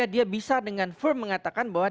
dia bisa dengan firm mengatakan bahwa